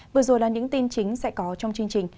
vừa rồi là những tin chính sẽ có trong chương trình